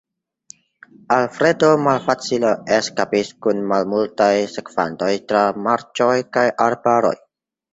Alfredo malfacile eskapis kun malmultaj sekvantoj tra marĉoj kaj arbaroj.